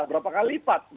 berapa kali lipat